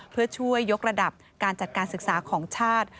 เพื่อช่วยยกระดับการจัดการศึกษาของชาติ